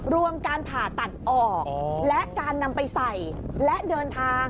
รวมการผ่าตัดออกและการนำไปใส่และเดินทาง